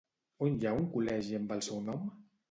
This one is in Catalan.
On hi ha un col·legi amb el seu nom?